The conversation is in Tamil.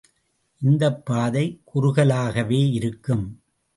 இந்தப் பாதை குறுகலாகவே இருக்கும்.